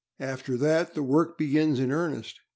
After that, work begins in earnest.